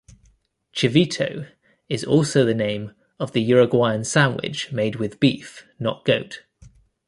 "Chivito" is also the name of the Uruguayan sandwich made with beef, not goat.